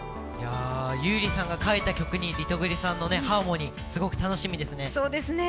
優里さんが書いた曲にリトグリさんのハーモニー、すごく楽しみですね。